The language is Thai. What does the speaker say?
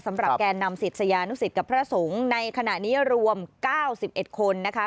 สำหรับแกนำสิทธิ์สยานุสิทธิ์กับพระสงฆ์ในขณะนี้รวม๙๑คนนะคะ